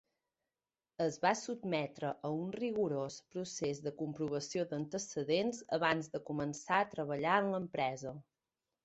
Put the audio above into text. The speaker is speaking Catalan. Es va sotmetre a un rigorós procés de comprovació d'antecedents abans de començar a treballar en l'empresa.